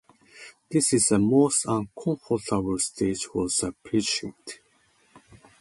This is the most uncomfortable stage for the patient.